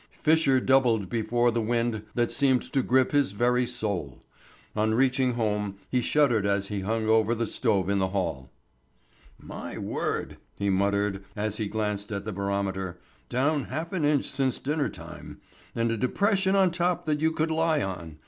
Fisher doubled before the wind that seemed to grip his very soul. On reaching home he shuddered as he hung over the stove in the hall. "My word," he muttered as he glanced at the barometer. "Down half an inch since dinner time. And a depression on top that you could lie in.